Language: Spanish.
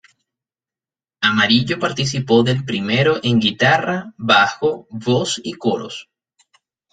Amarillo participó del primero en guitarra, bajo, voz y coros.